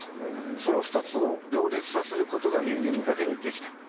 その２つを両立させることが人間だけにできた。